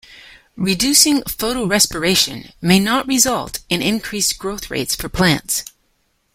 Reducing photorespiration may not result in increased growth rates for plants.